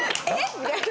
みたいな。